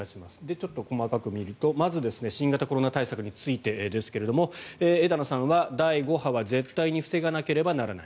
ちょっと細かく見ると、まず新型コロナ対策についてですが枝野さんは、第５波は絶対に防がなければならない。